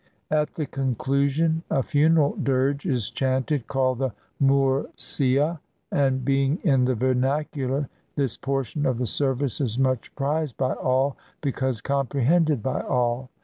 At the conclusion a funeral dirge is chanted, called the moor seah; and being in the vernacular, this portion of the service is much prized by all, because comprehended by all.